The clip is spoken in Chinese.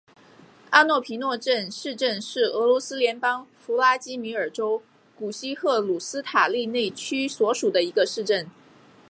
阿诺皮诺镇市镇是俄罗斯联邦弗拉基米尔州古西赫鲁斯塔利内区所属的一个市镇。